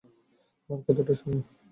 আমার কথাটা শোনো।